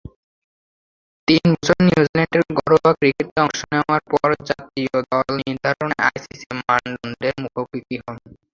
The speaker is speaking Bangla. তিন বছর নিউজিল্যান্ডের ঘরোয়া ক্রিকেটে অংশ নেয়ার পর জাতীয় দল নির্ধারণে আইসিসি'র মানদণ্ডের মুখোমুখি হন।